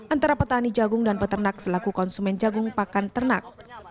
antara petani jagung dan peternak selaku konsumen jagung pakan ternak